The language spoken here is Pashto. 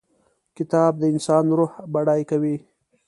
کتاب د انسان روح بډای کوي.